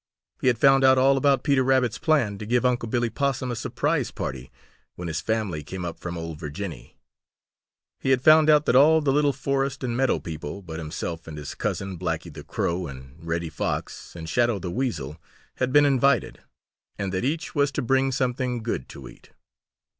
He had found out all about Peter Rabbit's plan to give Unc' Billy Possum a surprise party when his family came up from "Ol' Virginny." He had found out that all the little forest and meadow people but himself and his cousin, Blacky the Crow, and Reddy Fox and Shadow the Weasel had been invited, and that each was to bring something good to eat.